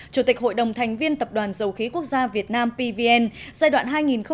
chủ tịch hội đồng thành viên tập đoàn dầu khí quốc gia việt nam pvn giai đoạn hai nghìn chín hai nghìn một mươi một